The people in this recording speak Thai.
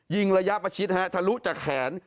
ระยะประชิดฮะทะลุจากแขน